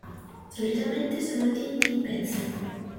Solitamente sono tinti in pezza.